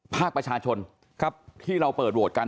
ภาคประชาชนที่เราเปิดโวทธกัน